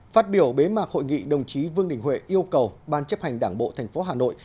phát biểu bế mạc hội nghị đồng chí vương đình huệ yêu cầu ban chấp hành đảng bộ tp hà nội